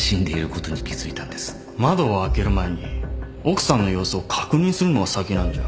窓を開ける前に奥さんの様子を確認するのが先なんじゃ。